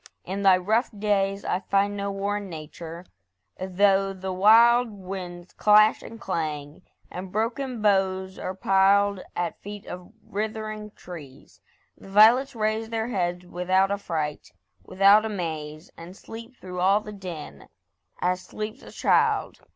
in thy rough days I find no war in Nature, though the wild Winds clash and clang, and broken boughs are piled At feet of writhing trees. The violets raise Their heads without affright, without amaze, And sleep through all the din, as sleeps a child.